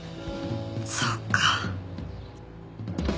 そっか。